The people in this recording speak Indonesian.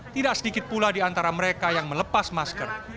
tidak sedikit pula di antara mereka yang melepas masker